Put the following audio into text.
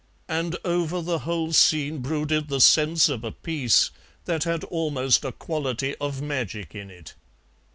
And over the whole scene brooded the sense of a peace that had almost a quality of magic in it.